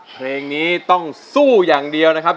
เพลงนี้ต้องสู้อย่างเดียวนะครับ